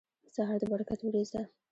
سهار د برکت وریځ ده.